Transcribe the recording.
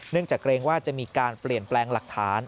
จากเกรงว่าจะมีการเปลี่ยนแปลงหลักฐาน